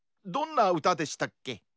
どんな歌でしたっけ？